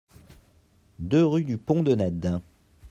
deux rue du Pont de Nedde